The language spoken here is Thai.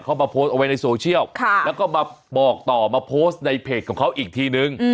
เขามาโพสต์เอาไว้ในโซเชียลแล้วก็มาบอกต่อมาโพสต์ในเพจของเขาอีกทีนึง